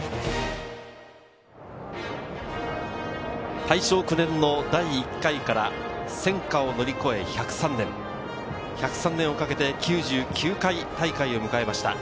大正９年の第１回から戦火を乗り越え１０３年、１０３年をかけて、９９回大会を迎えました。